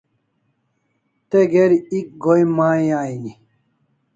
Te geri ek goi mai aini